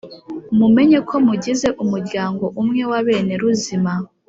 Mumenye ko mugize umuryango umwe wa bene Ruzima.